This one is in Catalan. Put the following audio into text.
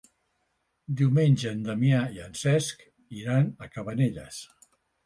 Diumenge en Damià i en Cesc iran a Cabanelles.